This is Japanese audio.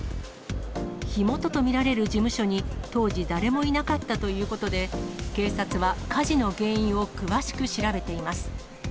火元と見られる事務所に、当時、誰もいなかったということで、警察は火事の原因を詳しく調べています。